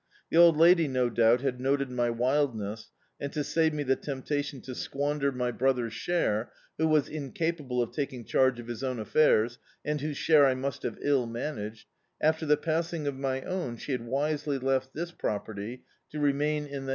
The old lady, no doubt, had noted my wild ness, and to save me the temptation to squander my brother's share, who was incapable of taking charge of his own affairs, and whose share I must have ill managed, after the passing of my own she had wisely left this property to remain in the hands [■97]